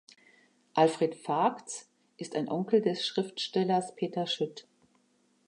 Alfred Vagts ist ein Onkel des Schriftstellers Peter Schütt.